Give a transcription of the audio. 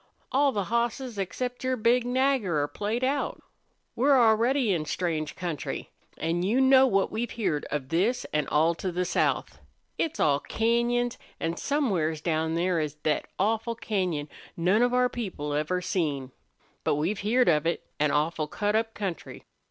All the hosses except your big Nagger are played out. We're already in strange country. An' you know what we've heerd of this an' all to the south. It's all cañons, an' somewheres down there is thet awful cañon none of our people ever seen. But we've heerd of it. An awful cut up country."